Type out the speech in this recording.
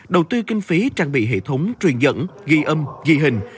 đầu tư kinh phí trang bị hệ thống truyền dẫn ghi âm ghi hình